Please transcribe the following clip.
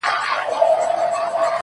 • او په گوتو کي يې سپين سگريټ نيولی؛